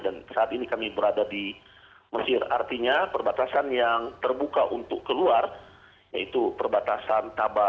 dan saat ini kami berada di mesir artinya perbatasan yang terbuka untuk keluar yaitu perbatasan